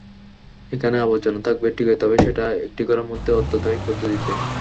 এখানে আবর্জনা থাকবে ঠিকই, তবে সেটা একটি ঘরের মধ্যে অত্যাধুনিক পদ্ধতিতে।